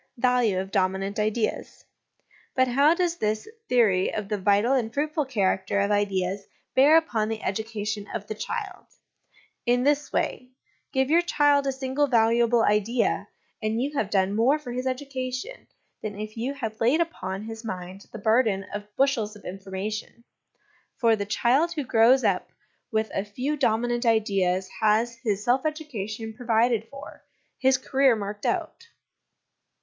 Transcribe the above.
Value of Dominant Ideas. But how does this theory of the vital and fruitful character of ideas bear upon the education of the child ? In this way : give your child a single valuable idea, and you have done more for his education than if you had laid upon his mind the burden of bushels of information ; for the child who grows up with a few dominant ideas has his self education provided for, his career marked out.